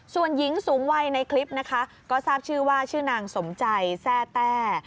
ส่วนหญิงสูงวัยในคลิปนะคะก็ทราบชื่อว่าชื่อนางสมใจแทร่แต้